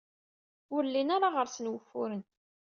Ur llin ara ɣer-sen wufuren.